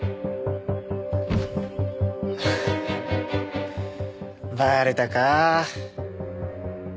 ハハッバレたか。